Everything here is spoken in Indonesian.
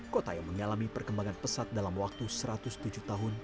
kota yang mengalami perkembangan pesat dalam waktu satu ratus tujuh tahun